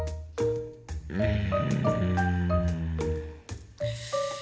うん。